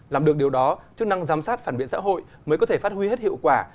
làm được điều đó chức năng giám sát phản biện xã hội mới có thể phát huy hết hiệu quả